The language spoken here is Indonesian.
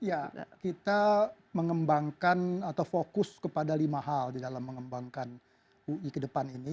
ya kita mengembangkan atau fokus kepada lima hal di dalam mengembangkan ui ke depan ini